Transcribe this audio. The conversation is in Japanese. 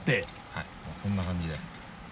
はいもうこんな感じで。